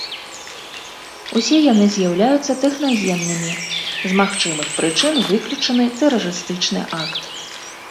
Усе яны з'яўляюцца тэхнагеннымі, з магчымых прычын выключаны тэрарыстычны акт.